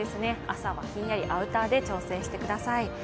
朝はひんやり、アウターで調整してください。